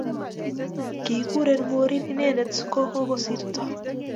Kikuren morin inendet ko kosirto